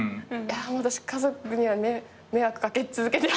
私家族には迷惑掛け続けて。